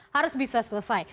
harus bisa selesai